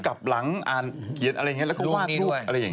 กลับหลังอ่านเขียนอะไรอย่างนี้แล้วก็วาดรูปอะไรอย่างนี้